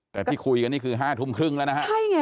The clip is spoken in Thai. แต่ที่คุยกันนี่คือ๕ทุ่มครึ่งแล้วนะฮะ